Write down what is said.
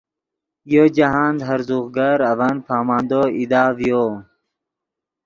یو جاہند ہرزوغ گر اڤن پامندو ایدا ڤیو